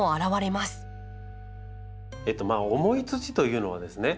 重い土というのはですね